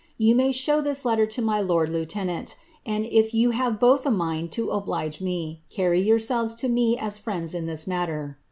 You may show this f lord lieutenant ; and if you have both a mind to oblige me, carry to me as friends in this matter.